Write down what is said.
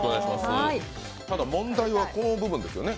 ただ問題はこの部分ですね。